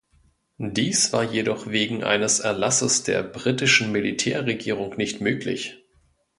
Dies war jedoch wegen eines Erlasses der britischen Militärregierung nicht möglich.